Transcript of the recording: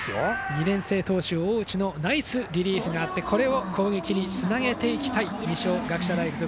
２年生投手、大内のナイスリリーフがあってこれを攻撃につなげていきたい二松学舎大付属